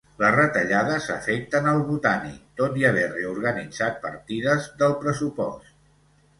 Les retallades afecten el Botànic, tot i haver reorganitzat partides del pressupost.